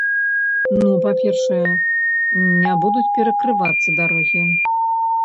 Ну, па-першае, не будуць перакрывацца дарогі.